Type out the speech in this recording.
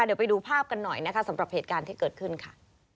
เดี๋ยวไปดูภาพกันหน่อยนะคะสำหรับเหตุการณ์ที่เกิดขึ้นค่ะ